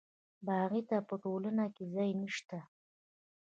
باغي ته په ټولنه کې ځای نشته.